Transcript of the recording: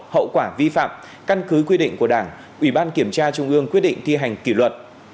hậu quả vi phạm căn cứ quy định của đảng ủy ban kiểm tra trung ương quyết định thi hành kỷ luật